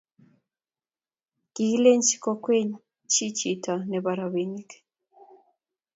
kikilenchi kowekchi chito nebo robinik